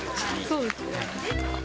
そうですね。